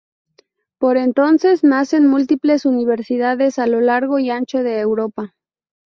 Por entonces nacen múltiples universidades a lo largo y ancho de Europa.